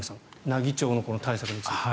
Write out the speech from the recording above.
奈義町のこの対策については。